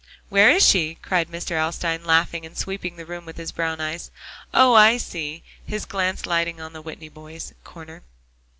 "Where is she?" cried Mr. Alstyne, laughing, and sweeping the room with his brown eyes. "Oh! I see," his glance lighting on the Whitney boys' corner.